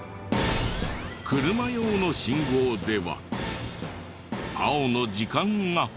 車用の信号では青の時間が。